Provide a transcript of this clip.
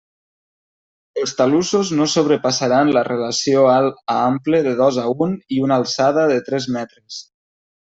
Els talussos no sobrepassaran la relació alt a ample de dos a un i una alçada de tres metres.